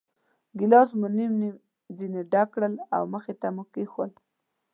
ګیلاسونه مو نیم نیم ځنې ډک کړل او مخې ته مو کېښوول.